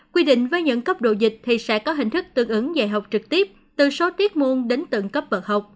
quy định với những cấp độ dịch thì sẽ có hình thức tương ứng dạy học trực tiếp từ số tiết muôn đến tượng cấp vật học